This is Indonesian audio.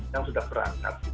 yang sudah berangkat